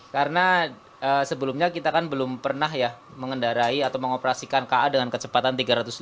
karena sebelumnya kita kan belum pernah ya mengendarai atau mengoperasikan ka dengan kecepatan tiga ratus lima puluh